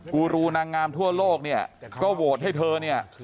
กูรูนางงามทั่วโลกเนี่ยก็โหวตให้เธอเนี่ย